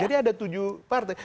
jadi ada tujuh partai